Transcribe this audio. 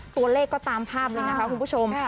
ตัวเลขก็ตามภาพเลยนะคะคุณผู้ชม